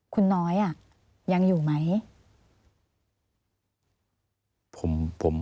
คุณน้อยยังอยู่ไหม